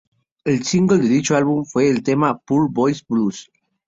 El Single de dicho álbum fue el tema "Poor Boy Blues".